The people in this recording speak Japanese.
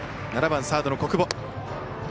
７番サードの小久保。